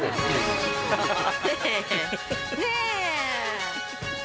ねえ！